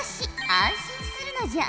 安心するのじゃ。